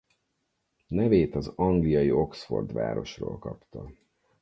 Nevét az angliai Oxford városról kapta.